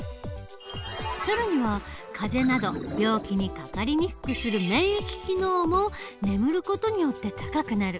更には風邪など病気にかかりにくくする免疫機能も眠る事によって高くなる。